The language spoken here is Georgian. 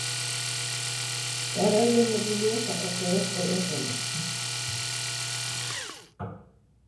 დარაიონებულია საქართველოს ყველა ზონაში.